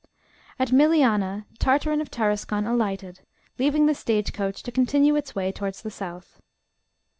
AT Milianah, Tartarin of Tarascon alighted, leaving the stage coach to continue its way towards the South.